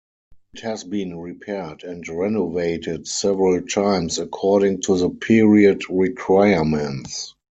It has been repaired and renovated several times according to the period requirements.